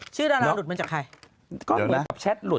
ชื่อดาราหลุดมันจากใครก็เหมือนแบบแชตหลุด